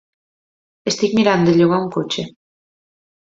Estic mirant de llogar un cotxe.